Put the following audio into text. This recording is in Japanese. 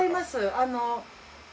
あの。